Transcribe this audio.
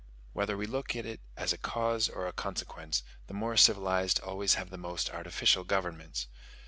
Whether we look at it as a cause or a consequence, the more civilized always have the most artificial governments.